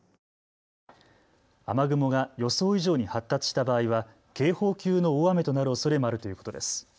雨雲が予想以上に発達した場合は警報級の大雨となるおそれもあるということです。